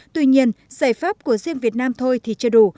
tuy nhiên giải pháp của riêng việt nam thôi thì chưa đủ